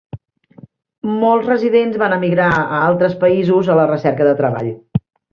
Molts residents van emigrar a altres països a la recerca de treball.